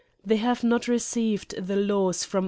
They have not received the laws from